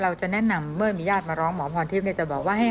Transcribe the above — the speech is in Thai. เพราะฉะนั้นใหญ่ถามจะต้องอธิบาย